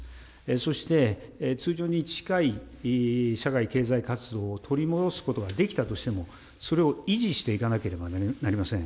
そして、通常に近い社会、経済活動を取り戻すことができたとしても、それを維持していかなければなりません。